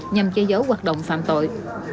nhằm che giấu hoạt động phạm tội